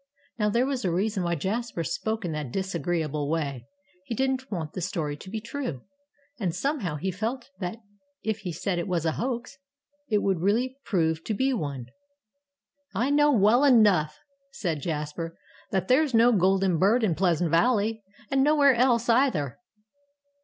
Now, there was a reason why Jasper spoke in that disagreeable way. He didn't want the story to be true. And, somehow, he felt that if he said it was a hoax, it would really prove to be one. "I know well enough," said Jasper, "that there's no golden bird in Pleasant Valley and nowhere else, either!"